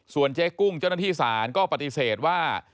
เจ๊กุ้งเจ้าหน้าที่ศาลก็ปฏิเสธว่า